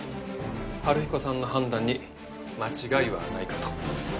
春彦さんの判断に間違いはないかと。